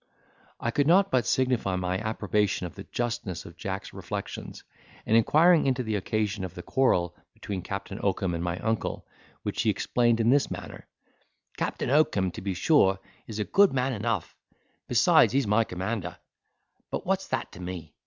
I could not but signify my approbation of the justness of Jack's reflections, and inquired into the occasion of the quarrel between Captain Oakum and my uncle, which he explained in this manner: "Captain Oakum, to be sure, is a good man enough—besides, he's my commander; but what's that to me?